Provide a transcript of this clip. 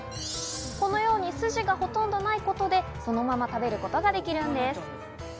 このように筋がほとんどないことでそのまま食べることができるんです。